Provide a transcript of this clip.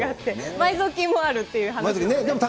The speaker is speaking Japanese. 埋蔵金もあるっていう話も。